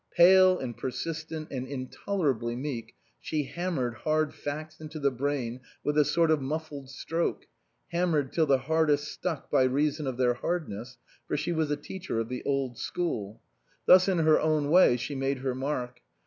Pale and per sistent and intolerably meek, she hammered hard facts into the brain with a sort of muffled stroke, hammered tiU the hardest stuck by reason of their hardness, for she was a teacher of the old school. Thus in her own way she made her mark.